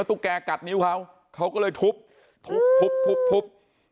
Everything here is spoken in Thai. ตุ๊กแก่กัดนิ้วเค้าเค้าก็เลยทุบทุบทุบทุบทุบ